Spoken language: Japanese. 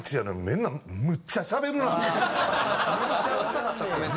めっちゃしゃべるなあ！